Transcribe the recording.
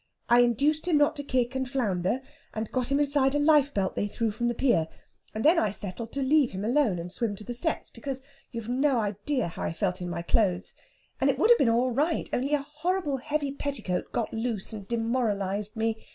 I induced him not to kick and flounder, and got him inside a life belt they threw from the pier, and then I settled to leave him alone and swim to the steps, because you've no idea how I felt my clothes, and it would have been all right, only a horrible heavy petticoat got loose and demoralised me.